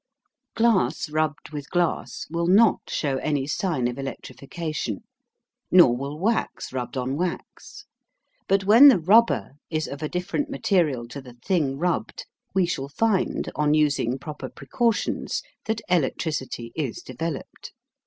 Glass rubbed with glass will not show any sign of electrification, nor will wax rubbed on wax; but when the rubber is of a different material to the thing rubbed, we shall find, on using proper precautions, that electricity is developed.